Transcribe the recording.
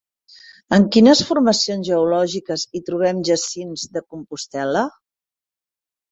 En quines formacions geològiques hi trobem jacints de Compostel·la?